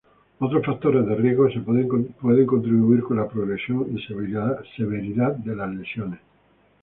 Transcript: Otros factores de riesgo pueden contribuir con la progresión y severidad de las lesiones.